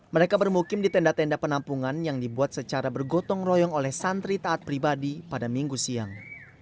mereka bermukim di tenda tenda penampungan yang dibuat secara bergotong royong oleh santri taat pribadi pada minggu siang